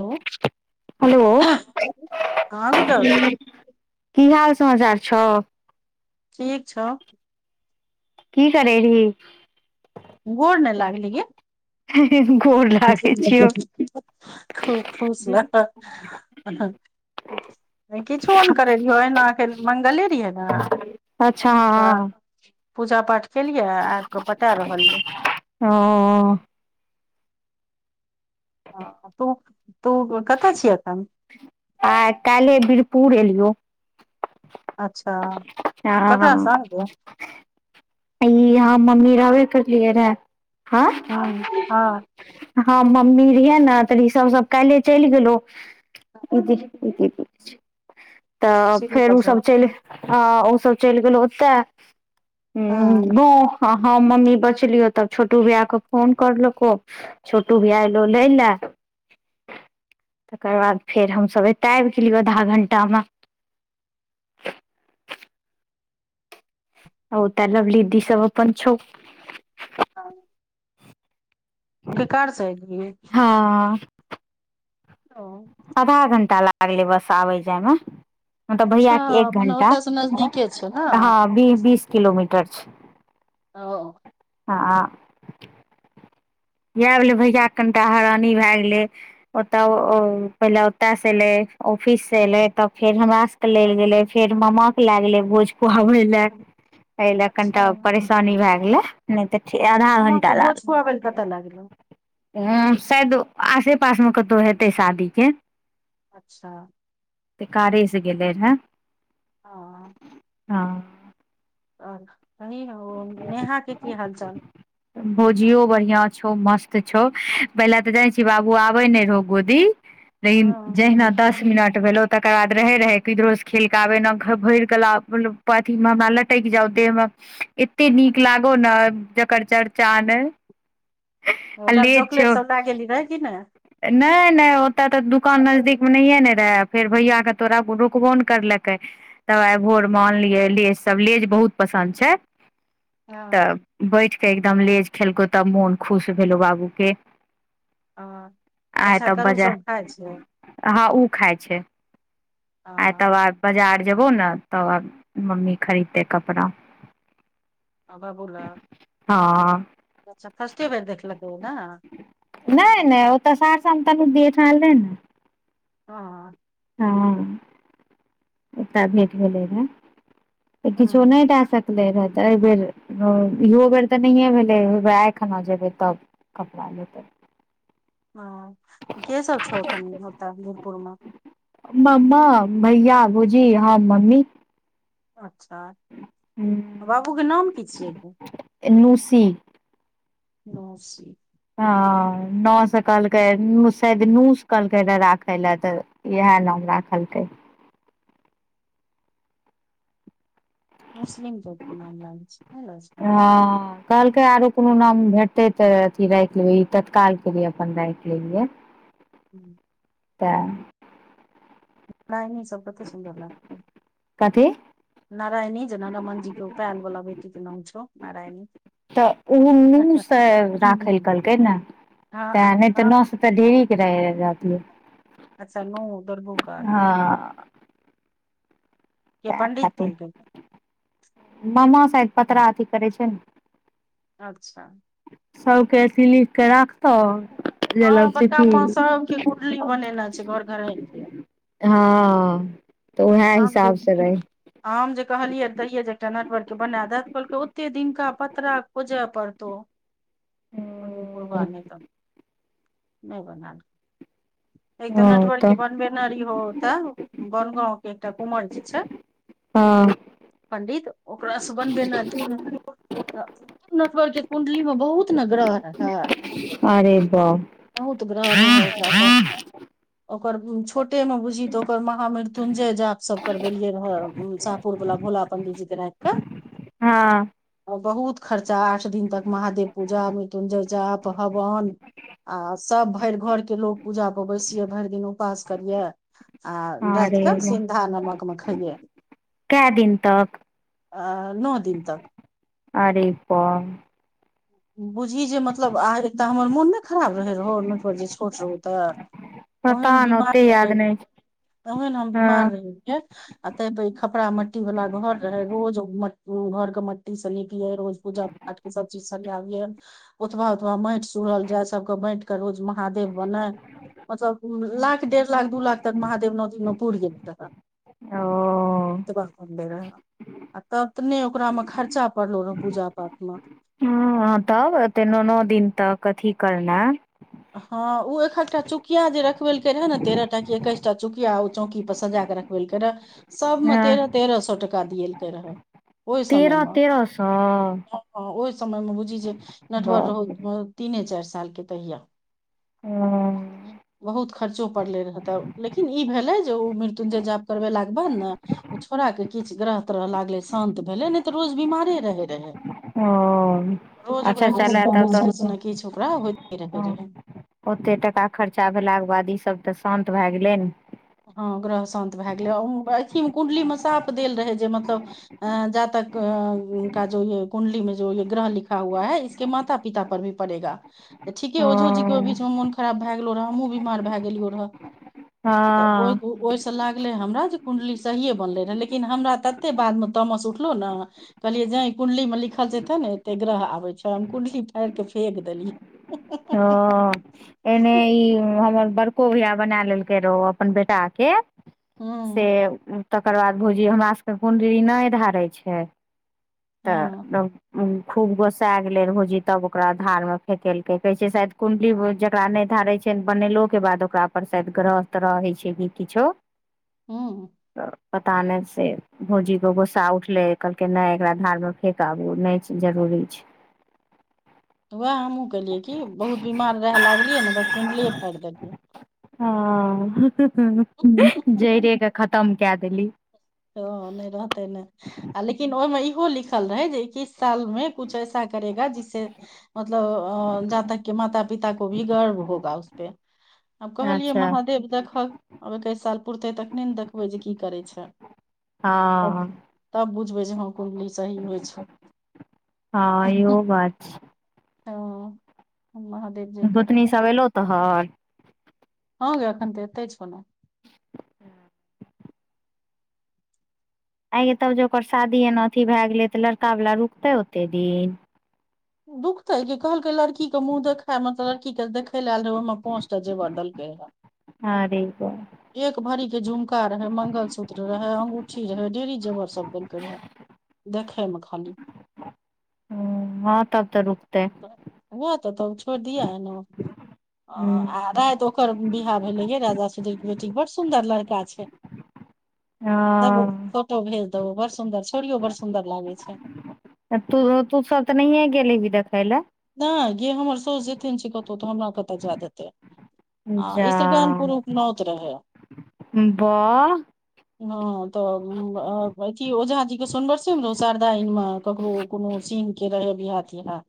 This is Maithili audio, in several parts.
हेलो हेलो हँ गुड्डल की हाल समाचार छौ ठीक छौ की करेरहि गोर नहि लागली गय गोर लागै छियौ खूब खुश ल [inaudible] नहि किछो नहि करैत रहियै अहिनाखिर मंगले रहियै ने अच्छा त हँ पूजा पाठ केलियै आब क पटा रहलियै ह तू तू कतअ छि अखन आ काइले वीरपुर एलियो [inaudible] अच्छा ककरा हँ सनके ई याँ मम्मी रहबे करलियै रहे हँ ह हँ हम मम्मी रहियै ने त ऋषभ सब काल्हिये चलि गेलौ दीदी त सीढ़ी फेर पर ओ जो सब चलि हँ ओसभ चलि गेलहु ओते हु हँ बु् हँ मम्मी बचलीयौ तब छोटू भैया के फोन करलको छोटू भया एलो लै ला तकर बाद फेर हमसभ एते आबि गेलियौ आधा घंटा मे ओ त लवली दि सव अपन छौ हँ के कार स एलही हँ ओ अदहा घण्टा लागलै बस आबय जायमे हं ऽ त ऽ भैया अच्छा के एक मने घंटा ओतयसँ नजदीके छै ने हँ बी बीस किलोमीटर छै ओ हँ आ इएह भेलै भैयाके कनिटा हैरानी भए गेलै ओतऽ ओ ओ पहिले ओतयसँ एलै ऑफिससँ एलै तब फेर हमरा ले गेले फेर मामा के लै गेले भोज खुआबे ले अछा भए गेलै नहि तऽ आधा मामा घंटा के भोज खुआबै [unintelligible] हं शायद आसे पास म कतहु हेतै शादी जे अच्छा त कारे से गेले रहय ह हँ आ बहिन हो नेहा के की हालचाल भौजियो बढ़ियां छौ मस्त छौ पहिले तऽ जाय छिय बाबू आबै नहि रहौ गोदी ल हँ जयना [unintelligible] द दस मिनट भेलौ तकर बाद रहै रहै किधरोसँ खेल कऽ आबै नव घर भरि क लाउ पथी म हमरा लटैक जाउ देह मे एते नीक लागो ने जकर चर्चा ने ओकर चॉकलट सब लागेेल रही की ने नहि नहि ओतऽ तऽ दुकान नजदीकमे नहियए ने रहै फेर भैया के तोरा रुकबोन करलकै तब आइ भोरमे आनलियै लेज तब लेज बहुत पसन्द छै हँ तऽ बैठ कऽ एकदम लेज खेलकौ तब मोन खुश भेलहु बाबूके ओ अच्छा करू सब खाइ छिय हं उ खाइ छै आइ हँ तबा बजार जेबौ ने तब मम्मी खरीद दे कपड़ा आ बाबू ला हँ अच्छा फस्टेबेर देखलकै न नहि नहि ओ तऽ सार सता न द लै ने ह हँ एकटा भेट गेलै रहऽ त किछो हँ नहि दए सकै नले रहै तऽ एहिबर इहो बेर तऽ नहिए भेलै आइ खना जेबै तब कपड़ा लेत हं केसब छौ ओत वीरपुरमे मम्मा भैया भौजी हम मम्मी अच्छा बाबूके नाम की छियै नूसी नोसी ह ह ह न से कहलकै नू शायद नूस कहलकै रह राखे लए तऽ इएह नाम राखलकै मुसलिम लोकोगके नाम लागै छै नहि ल हँ कहलकै आरो कोनो नाम भेटतै तऽ अथी राखि लेबै ई तत्कालके लिए अपन राखि लेलियै [inaudible] तऽ नहि नहि सब कते सुन्दर लागत कथी नारायणी जेना रमणजी को प्याल बला भ बेटी के नाम छौ नारायणी तऽ ओ मुँहसँ राखै लए कहलकै ने हँ तैं नहि तऽ हँ न ऽ ढेरी क रह जाती अच्छा नौ दुर्घ्यू कार ह के तें पंडित खातिर बोलतै मामा शायद पतड़ा अथी करै छै ने अच्छा सब के अथी लिख के राख ह जेना हँ लगय छै बड़का माँ सबके की कुण्डली बनेने छै घर घरैन के हँ तऽ उएह आब हिसाब जेबही से तू रहै हमजे कहलियै दहिये जे एकटा नटवर के बना देत कहलकै ओते दिनका पतरा खोजय पड़तौ पनी बुढ़वा नहि त नहि बना ल नहि तऽ नटवर के बनबेने रहियौ ओत बनगाँव के एकटा कुँवर जी छै हँ पंडित ओकरा से बनबे रहियो तऽ नटवर के कुण्डली में बहुत ने ग्रह रहय अरे बाप बहुत ग्रह रहय ओकरा त ओकर छोटे में बुझी तऽ ओकर महामृत्युंजय जाप सब करबेलियै रहे साहपुर वला भोला पंडिजी के राईख के हँ बहुत खर्चा आठ दिन तक महादेव पूजा मृत्युंजयजाप हवन आ सभ भरि घरके लोक पूजाापर बैसियै भरि दिन उपास करियै आ रात अरे कऽ सिन्धा नमकमे खइिय कए दिन तक अ नओ दिन तक अरे बाप बुझी जे मतलब आह एक हमर मोन नहि खराब रहै रहौ नटवर जे छोट रहौ तऽ पता ओहन ने बीमार ओते याद रहै नहि छै तबे ने हम बीमार हँ रह अ ते खपड़ा मट्टी वालला घर रहे रोज घर के मट्टी से निपिये रोज पूजा पाठ के सब चीज ब उतबा उतबा माटि सुढ़ल जाय सब के बाँट के रोज महादेव बनय लाख डेढ़ लाख दू लाख तक महादेव नौ दिन मे पूर गेल रहे ओ रह आ तब त ने ओकरा मे खर्चा पड़लो रह पूजा पाठ मे ह तब एते न नओ दिन तक अथी करनाय हँ ओ एकहकटा चुकिया जे रखबे लक रहे ने तेरह टा कि एकैस टा चुकिया ओ चौकी पर सजा क रख रखवेल कए रहय सबमे तेरह हँ तेरह सौ टका दिेलकै रहय ओहि समय तेरह मे तेरह सौ ह ओहि समय मे बुझी जे नटवर बाप रे रह तीने चारि सालके तहिया ओ ह बहुत खर्चो पड़लै रह तै लेकिन ई भेलै जे उ मृत्युञ्जय जाप करबेलाके बाद ने ओ छोड़ाके किछु ग्रह त्रह लागलै शान्त भेलै नहि त रोज बिमारे रहै रहै ओ रोज अच्छा ओकरा चलए तब तऽ किछ ने किछु ओकरा होइते रहे रहै ओतेक टाका खर्चा भेलाके बाद ईसभ त शान्त भए गेलै ने हँ ग्रह शान्त भए गेलै अथिमे कुण्डलीमे साप देल रहै जे मतलब अ जातक का जो य कुण्डली मे जो य ग्रह लिखा हुआ है इस कि माता पितापर भी पड़ेगा तऽ ठीके ओ ओझो जी के ओहि बीच मे मोन खराब भए गेलो रहे हमहहुँ बीमार भए गेलियो रहे तऽ ओहि हँ ओहिसँ लागलै हमरा जे कुण्डली सहिए बनलै रहए लेकिन हमरा ततेक बादमे तमस उठलहु ने कहलियै ज कुण्लीमे लिखल छै तेने एते ग्रह आबै छै हम कुण्डली फाड़ क फेक देलियै ह एने ई हमर बड़को भैया बना लेलकै रहो अपन बेटा के से हूँ तकर बाद भौजी हमरा सभके कुण्डली नहि धारै छै हँ तऽ खूब गोसा गेलै भौजी तब ओकरा धार मे फेेकेलकै कहै छै शायद कुण्डली जकरा नहि धारै छै बनेलोके बाद ओकरा पर शायद ग्रह तरह होइ‌छै किछो हूँ त पता नहि से भौजीके गुस्सा उठलै कहलकै नय एकरा धारमे फेक आबू नहि जरूरी छै उएह हमहूँ केलियै कि बहुत बीमार रह लागलियै ने कुण्डलिनी फाइर देलियै ह जइरे के खतम कए देल हॅं नहि रहतै ने आ लेकिन ओहिमे इहो लिखल रहै जे इ किछ साल मे कुछ ऐसा करेगा जिसे मतलब अ जातक के माता पिता को भी गर्व होगा उसपे आब कहलियै अच्छा महादेव देखक आब एकैस साल पुरते तखने ने देखबै जे की करै छै त हँ तब बुझबै जे हँ कुण्डली सही होइ छै बाज ह ‌ हर महादेव जे करय गोतनी सब एलो तोहर हँ गै अखनत एतै‌छौ‌न आई ये तब जे ओकर शादी एना अथी भए गेलै त लड़का वला रुकतै ओते दिन दुःख ते क कहलकै लड़की के मुंह देखाय मतलब लड़की के देखे लए आल रहे ओहिं पोंच त जेवर देलकय‌‌ हन [unintelligible] एक भरी के झुमका रहे मंगलसूत्र रहे अंगूठी रहे डेरी जेवर सब देलकै रहे देखैमे खाली हँ तब त रुकतेै ह त‌तो छोड़ दिया है ने ह राति ओकर बियाह भेलेे राजा सुदी बेटी बड़ सुन्दर लड़का छै देबो फोटो भेज देबो बड़ सुन्दर छोड़ियो बड़ सुंदर लागे छै तू तू सब त नहिए गेल हेबही देखै लए नहि गे हमर साउस जाइते नहि छै कतहु त हमरा कत जाय देतै आ जा इस्रगन पुरुख नौत रहै बाह हँ तऽ अथी ओझा जी के सुनवरसे शारदा आनमे ककरो कोनो सीन के रहै बियाह तियाह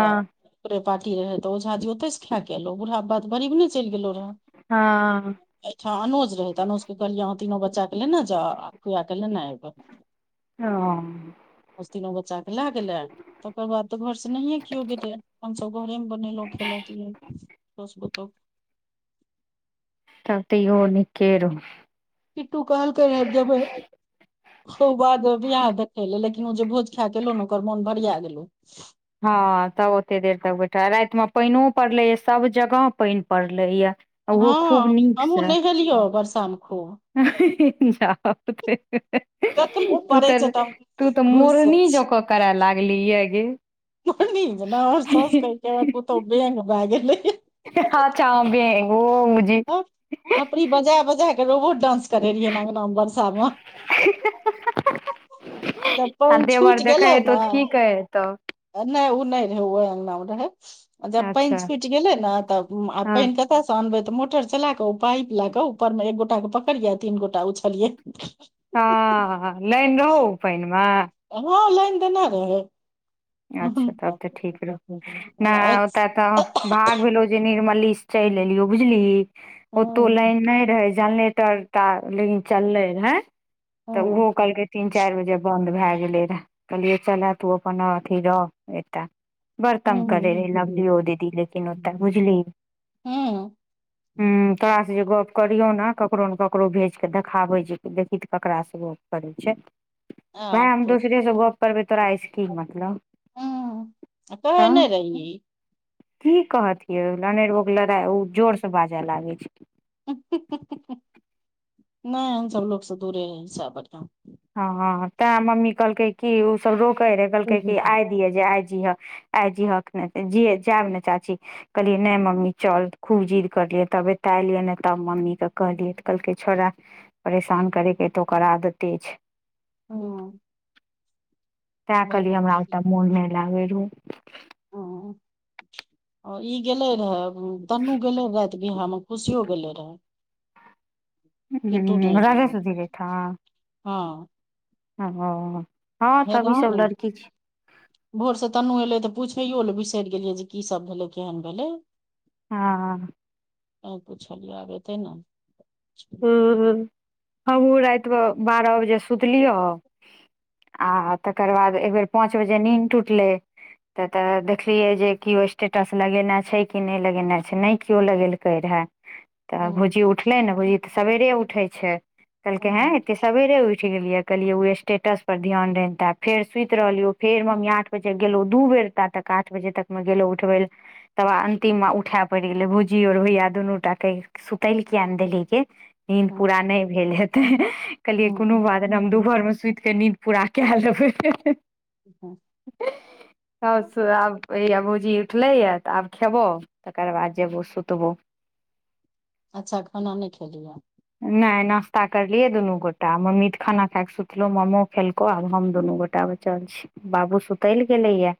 तऽ ओेकरे पार्टी रहै तऽ ओ झााजी ओतहिसँ खा कऽ एलहु बूढ़ा बात गरीब नहि चलि गेलो रहए हँ एहिठाम अनज रहैत अनज के कहलियै अहाँ तीनो बच्चा के लेने जाउ खुआ के लेने एयबै हँ दस तीनो बच्चा के लए गेले तकर बाद तो घर सह को अपनस घरे मे बनेेलो खेलती हैसतो तब तै ओ निके रहौ किट्टू कहलकैये जेबै ओ बाद वियाह देखै लए लेकिन ओ जे भोज खाय कलहु ने ओकर मोन भरिया गेलहु हँ तब ओतेक देर तक बैठल रातिमे पानिओ पड़लैए सभजगह पानि पड़लैए हँ ओहो खूब नीक हमहुँ से नहेलियो बरसामे खूब [inaudible] कतनो तू पड़ै छै तऽ हम तू तऽ घुसि जाइ मोरनी जकाँ करै लागली यै गे को नज न वर सस कै क पूतौ वङंग भागे लै हँ आचआ ओग [unintelligible] सब थोपड़ी बजा बजा क रोबहो डानंस करे रहियै ने अंगना मे बरसा मे जब आ पानि देवर छुटि देखे गेलै हेतौ ने तऽ की कहै हेतौ नहि ओ नहि रहे ओ अंगना मे रहै जब अच्छा पानि छुटि गेले ने तब आ हँ पानि केत स अनबै तऽ मोटर चला के पाइप ल कऽ ऊपर मे एक गोटा के पकड़ियै आ तीन गोटा उछलिये [inaudible] हँ लाइन रहौ ओइ पानि मे हँ लाइन तना रहै आ अच्छा तब तऽ ठीक रहौ नहि ओतऽ तऽ भाग भेलो जे निर्मली से चलि एलियो बुझली ओतौ लाइन नहि रहै जानल तर तटा लेकिन चललै रहे तऽ ओहो कहलकै तीन चारि बजे बंन्द भए गेलै रहे कहलियै चल तू अपन अ धीरो एकटा बर तंग करे रहे लभलियो दीदी लेकिन ओतऽ बुझली हँ तोरासँ जे गप करियौ ने ककरो ने ककरो भेज कऽ देखाबै जे देखीऽ ककरासँ गप करै छै [inaudible] भाय हम दोसरे से गप करबै तोरा अइ सऽ की मतलब कहे तऽ नहि रहि की कहतियै लइो लड़ाइ ओ जोरसँ बाजय लागै छै नहि, हम तऽ सभ लोकसँ दूरे रही सेह बढ़ियाँ हँ हँ तें मम्मी कहलकै की ओ सब रोके रहे कहलकै की आइ जे आइ जी हक आइ जी हक ने जी जायब ने चाची कहलियै नहि मम्मी चल खूब जिद करलियै तब एतय एलियै ने तब मम्मीकेँ कहलियै तऽ कहलकै छौड़ परेशान करे के तऽ ओकरा आदते छै हूंम्म तें कहलि हमरा ओ मोन नहि लागे रहौ हँ, ई गेलै रहै। तन्नू राति बियाहमे गेलै रहै। खुशीहो गेलै रहै नहि हू गेलै [unintelligible] हँ हँ हँ नी तब ई सब [unintelligible] लड़की छै भोर से तन्नू एलै तऽ पूछैयो लए बिसरि गेलियै जे की सब भेलै केहन भेलै हँ त पूछल आब एतै ने हूंम्म हमहूँ रातिमे बारह बजे सुतलियै आ तकर बाद एकबेर पाँच बजे नीन्द टूटलै तऽ तऽ देखलियै जे केओ स्टेटस लगेना छै कि नहि लगेना छै नहि केओ लगेलकै रहए [inaudible] तऽ भौजी उठलथि ने। भौजी तऽ सवेरे उठैत छथि। कहलथिनहे, एते सवेरे उठि गेलियै कहलिए ओ स्टेटस पर ध्यान देने हेतय फेर सुति रहलिए फेर मम्मी आठ बजे जे गेलहुँ दू बेर ता तक आठ बजे तक मे गेलो उठबौ ले तब अंतिम उठायए पड़ि गेले भुजी और भोया दुनू टा के सुतल कियान देलही के नीद पूरा अच्छा नहि भेल हेते कहलियै कोनो बात ने हम दुपहर मे सुति क नींद पूरा कए लेबै सब आब ओहि भुजी उठलै यऽ तऽ आब खेबौ तकर बाद जेबौ सुतबौ अच्छा खाना नहि खेलिये नै नास्ता करलियै दुनू गोटा मम्मी त खाना खाय क सुतलो ममो खेलको आब हम दुनू गोटा तब चल छी बाबू सुतैल गेलैया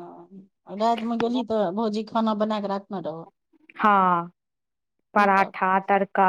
रातिमे गेलहुँ तँ भौजी खाना बना कऽ राखने रहौ। हँ की सब पराठा तर